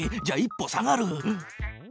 じゃあ一歩下がる！